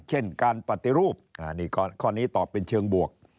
เช่นการปฏิรูปนี่ข้อนี้ตอบเป็นเชิงบวก